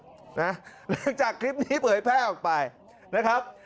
หลังจากคลิปนี้เผยแพร่ออกไปนะครับ